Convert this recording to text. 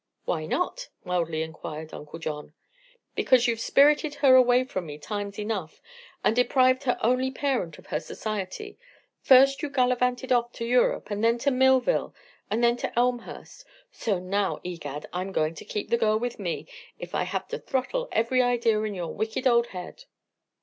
"Why not?" mildly inquired Uncle John. "Because you've spirited her away from me times enough, and deprived her only parent of her society. First you gallivanted off to Europe, and then to Millville, and next to Elmhurst; so now, egad, I'm going to keep the girl with me if I have to throttle every idea in your wicked old head!"